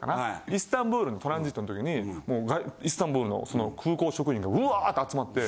イスタンブールのトランジットの時にイスタンブールの空港職員がウワーッと集まって。